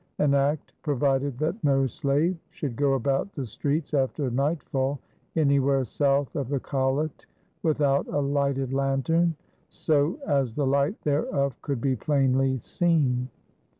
An act provided that no slave should go about the streets after nightfall anywhere south of the Collect without a lighted lantern "so as the light thereof could be plainly seen."